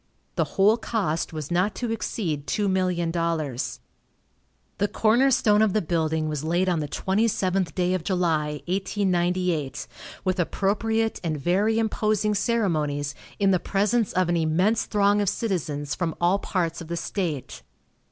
The whole cost was not to exceed $2,000,000. The corner stone of the building was laid on the twenty seventh day of July, 1898, with appropriate and very imposing ceremonies, in the presence of an immense throng of citizens from all parts of the state.